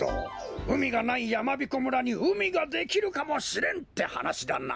うみがないやまびこ村にうみができるかもしれんってはなしだな？